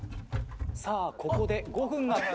さあここで５分が。